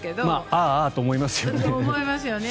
あーあと思いますよね。